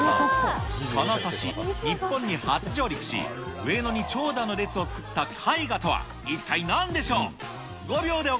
この年、日本に初上陸し、上野に長蛇の列を作った絵画とは一体なんでしょう？